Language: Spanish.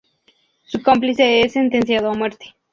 Su cómplice es sentenciado a muerte.